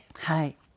はい。